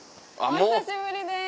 お久しぶりです！